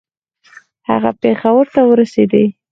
هغه پېښور ته ورسېدی.